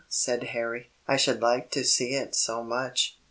said Harry. "I should like to see it so much."